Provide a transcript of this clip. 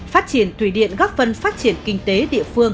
phát triển thủy điện góp phần phát triển kinh tế địa phương